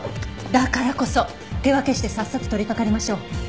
だからこそ手分けして早速取りかかりましょう。